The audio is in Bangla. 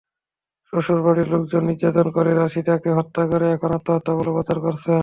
শ্বশুরবাড়ির লোকজন নির্যাতন করে রাশিদাকে হত্যা করে এখন আত্মহত্যা বলে প্রচার করছেন।